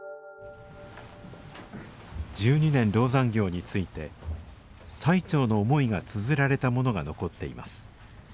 十二年籠山行について最澄の思いがつづられたものが残っています